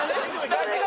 誰が？